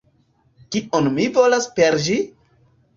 Kion mi volas per ĝi?